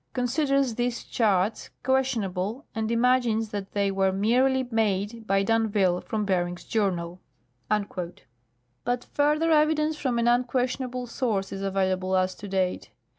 considers these charts questionable and imagines that they were merely made by d'Anville from Beering's journal." But further evidence from an unquestionable source is available as to date.